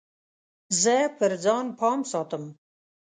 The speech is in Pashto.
زه پر ځان پام ساتم.